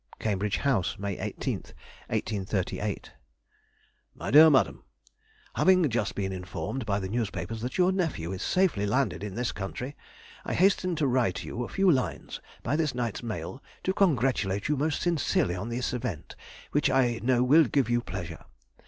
CAMBRIDGE HOUSE, May 18, 1838. MY DEAR MADAM,— Having just been informed by the newspapers that your nephew is safely landed in this country, I hasten to write you a few lines by this night's mail to congratulate you most sincerely on this event, which I know will give you pleasure.